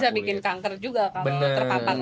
bisa bikin kanker juga kalau terpapar